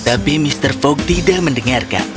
tapi mr fogg tidak mendengarkan